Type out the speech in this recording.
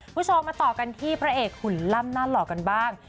ผู้ชมมาต่อกันที่พระเอกคุณล่ำน่าหลอกกันบ้าง